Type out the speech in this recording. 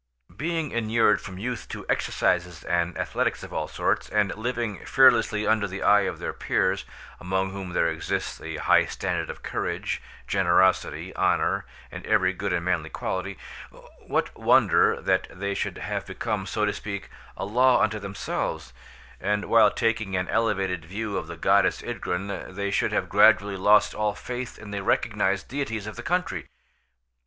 Being inured from youth to exercises and athletics of all sorts, and living fearlessly under the eye of their peers, among whom there exists a high standard of courage, generosity, honour, and every good and manly quality—what wonder that they should have become, so to speak, a law unto themselves; and, while taking an elevated view of the goddess Ydgrun, they should have gradually lost all faith in the recognised deities of the country?